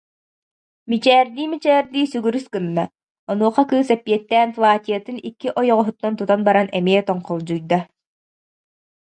мичээрдии-мичээрдии сүгүрүс гынна, онуоха кыыс эппиэттээн платьетын икки ойоҕоһуттан тутан баран эмиэ тоҥхолдьуйда